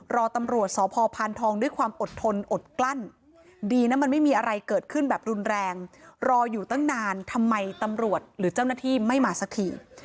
รอตำรวจสพพานทองด้วยความอดทนอดกลั้นดีนะมันไม่มีอะไรเกิดขึ้นแบบรุนแรงรออยู่ตั้งนานทำไมตำรวจหรือเจ้าหน้าที่ไม่มาสักที